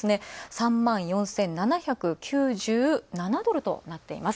３万４７９７ドルとなっています。